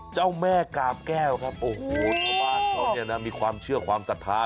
เจ้าแม่กาบแก้วครับโอ้โหชาวบ้านเขาเนี่ยนะมีความเชื่อความศรัทธา